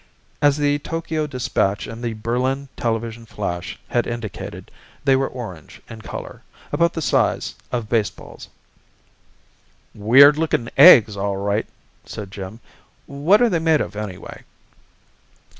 As the Tokyo dispatch and the Berlin television flash had indicated, they were orange in color, about the size of baseballs. "Weird looking eggs, all right!" said Jim. "What are they made of, anyway?"